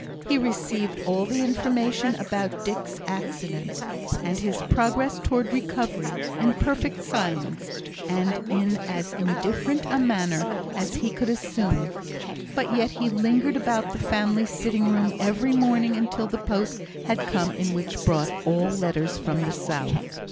He received all the information about Dick's accident, and his progress towards recovery, in perfect silence, and in as indifferent a manner as he could assume; but yet he lingered about the family sitting room every morning until the post had come in which brought all letters from the south.